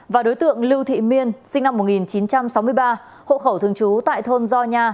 và đối tượng lưu thị miên sinh năm một nghìn chín trăm sáu mươi ba hộ khẩu thương chú tại thôn do nha